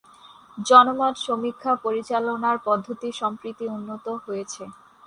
জনমত সমীক্ষা পরিচালনার পদ্ধতি সম্প্রতি উন্নত হয়েছে।